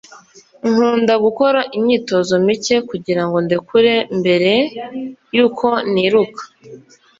Nkunda gukora imyitozo mike kugirango ndekure mbere yuko niruka